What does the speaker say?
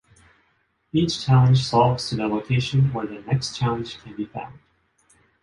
Each challenge solves to the location where the next challenge can be found.